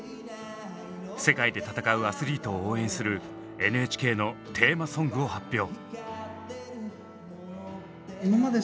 世界で闘うアスリートを応援するＮＨＫのテーマソングを発表。